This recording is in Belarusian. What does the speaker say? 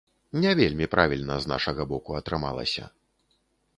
Не вельмі правільна з нашага боку атрымалася.